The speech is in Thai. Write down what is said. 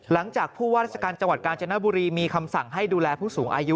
หลังจากผู้ว่าราชการจังหวัดกาญจนบุรีมีคำสั่งให้ดูแลผู้สูงอายุ